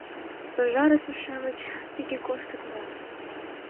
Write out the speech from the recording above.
Стожарысе-шамыч тыге коштыт мо?